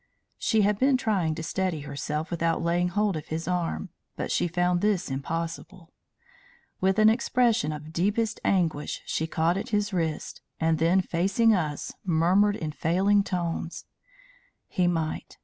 She had been trying to steady herself without laying hold of his arm. But she found this impossible. With an expression of deepest anguish she caught at his wrist, and then facing us, murmured in failing tones: "He might.